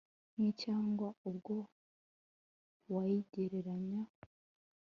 nk cyangwa , ubwo wayigereranya